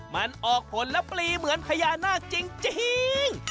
มันออกผลและปลีเหมือนพญานาคจริง